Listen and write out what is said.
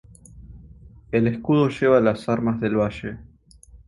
El escudo lleva las armas de Valle.